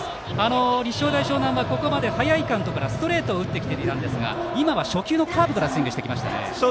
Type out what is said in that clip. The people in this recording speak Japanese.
立正大淞南はここまで早いカウントからストレートを打ってきましたが今は初球のカーブからスイングしてきました。